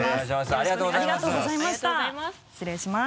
ありがとうございました失礼します。